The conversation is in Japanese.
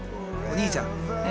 お兄ちゃん。